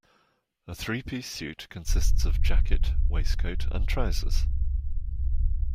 A three-piece suit consists of jacket, waistcoat and trousers